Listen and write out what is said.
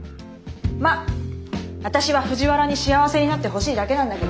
まっ私は藤原に幸せになってほしいだけなんだけどさ。